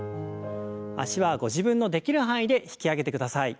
脚はご自分のできる範囲で引き上げてください。